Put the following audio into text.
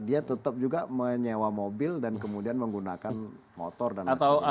dia tetap juga menyewa mobil dan kemudian menggunakan motor dan lain sebagainya